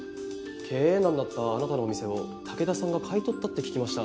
経営難だったあなたの店を竹田さんが買い取ったって聞きました。